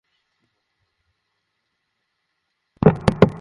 কারাগার থেকে পালিয়েছে?